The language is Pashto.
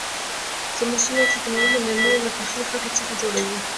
زمونږ سیمه کې تنرونه میرمنې له پخې خټې څخه جوړوي.